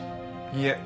いえ。